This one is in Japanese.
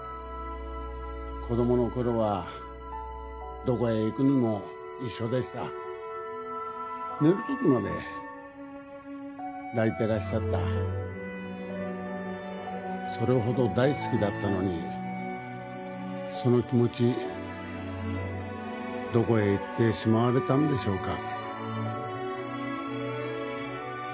子供の頃はどこへ行くにも一緒でした寝る時まで抱いてらっしゃったそれほど大好きだったのにその気持ちどこへいってしまわれたんでしょうか